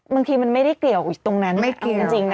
บางทีมันไม่ได้เกี่ยวตรงนั้นเอาจริงนะไม่เกี่ยว